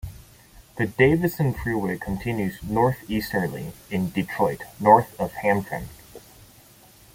The Davison Freeway continues northeasterly in Detroit north of Hamtramck.